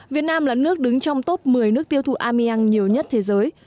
việt nam là nước đứng trong top một mươi nước tiêu thụ armeang nhiều nhất thế giới